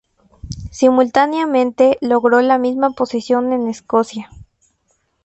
Simultáneamente, logró la misma posición en Escocia.